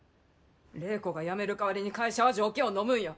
礼子がやめる代わりに会社は条件をのむんや。